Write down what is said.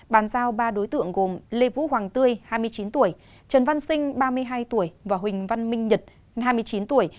bàn giao ba đối tượng gồm lê vũ hoàng tươi hai mươi chín tuổi trần văn sinh ba mươi hai tuổi và huỳnh văn minh nhật hai mươi chín tuổi